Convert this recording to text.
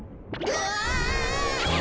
うわ！